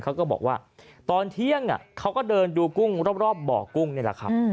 เขาก็บอกว่าตอนเที่ยงเขาก็เดินดูกุ้งรอบบ่อกุ้งนี่แหละครับ